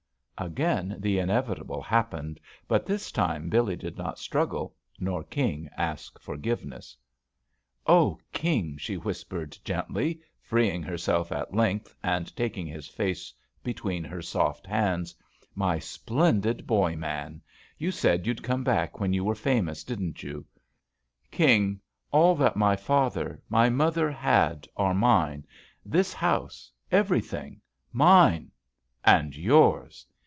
Again the inevitable happened, but this time Billee did not struggle nor King ask for giveness. JUST SWEETHEAI^TS "Oh, Kingl" she whispered gently, freeing herself at length and taking his face between her soft hands, "my splendid boy man, you said you'd come back when you were famous, didn't you? King, all that my father, my mother had are mine — this house — every thing — mine and yours.